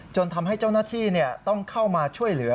ทำให้เจ้าหน้าที่ต้องเข้ามาช่วยเหลือ